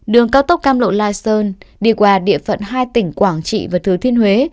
đường cao tốc cam lộ lightstone đi qua địa phận hai tỉnh quảng trị và thứ thiên huế